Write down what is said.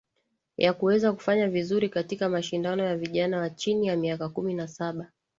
yakuweza kufanya vizuri katika mashindano ya vijana wa chini ya miaka kumi na saba